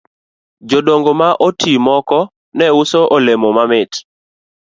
Jodongo ma oti moko ne uso olemo mamit